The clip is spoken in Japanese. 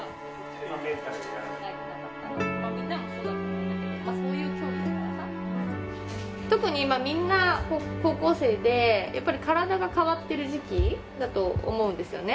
みんなもそうだと思うんだけどそういう競技だからさ特に今みんな高校生でやっぱり体が変わってる時期だと思うんですよね